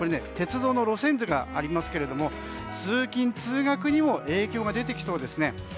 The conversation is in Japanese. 鉄道の路線図がありますが通勤・通学にも影響が出てきそうですね。